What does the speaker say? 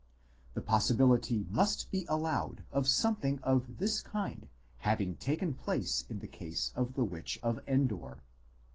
The possibility must be allowed of something of this kind having taken place in the case of the witch of Endor.